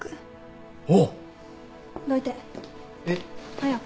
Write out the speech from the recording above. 早く